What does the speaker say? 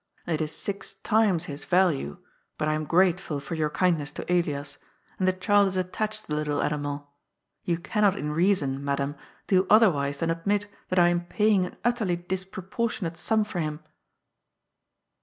It is six times his value ; but I am grateful for your kindness to Elias, and the child is attached to the little animal. You cannot in reason, madam, do otherwise than admit that I am paying an utterly disproportionate sum for him."